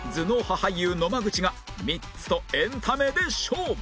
俳優野間口がミッツとエンタメで勝負